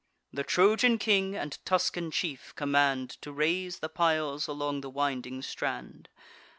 The Trojan king and Tuscan chief command To raise the piles along the winding strand.